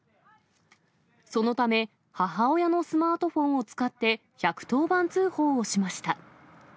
そのため、母親のスマートフォンを使って、１１０番通報をしました。